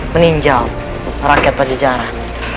meninjal rakyat padejaran